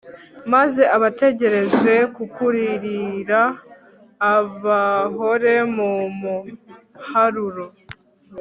maze abategereje kukuririra bahore mu muharuro